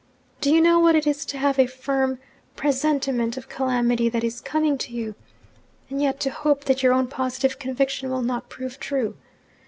Do you know what it is to have a firm presentiment of calamity that is coming to you and yet to hope that your own positive conviction will not prove true?